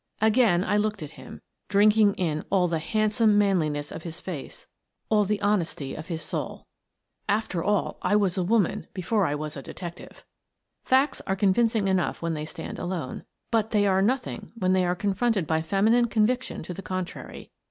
Again I looked at him, drinking in all the hand some manliness of his face, all the honesty of his "Thou Art the Man 133 soul. After all, I was a woman before I was a detective ! Facts are convincing enough when they stand alone, but they are nothing when they are confronted by feminine conviction to the contrary.